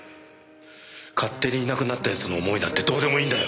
勝手にいなくなった奴の思いなんてどうでもいいんだよ！